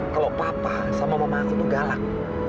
kalau papa sama mama aku tuh galak